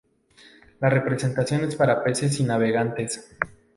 La representación es para peces y navegantes.